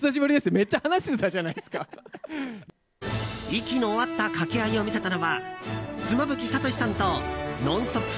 息の合った掛け合いを見せたのは、妻夫木聡さんと「ノンストップ！」